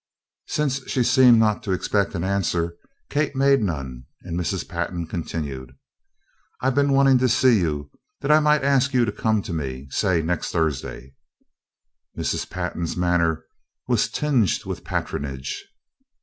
Since she seemed not to expect an answer, Kate made none and Mrs. Pantin continued: "I've been wanting to see you that I might ask you to come to me say next Thursday?" Mrs. Pantin's manner was tinged with patronage.